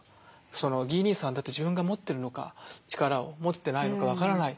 ギー兄さんはだって自分が持ってるのか力を持ってないのか分からない。